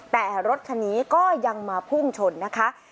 แต่รถคันนี้ก็ยังมาพุ่งชนนะคะ